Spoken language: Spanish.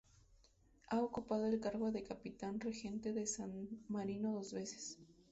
Ha ocupado el cargo de Capitán Regente de San Marino dos veces.